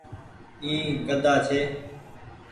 اي گھدآ ڇي۔